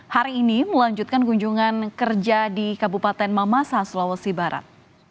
hari ini melanjutkan kunjungan kerja di kabupaten mamasa sulawesi barat